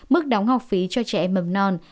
mức đóng học phí cho trẻ mầm non